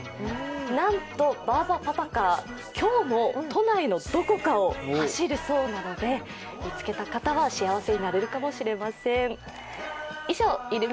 なんとバーバパパカー、今日も都内のどこかを走るそうなので、見つけた方は幸せになれるかもしれません。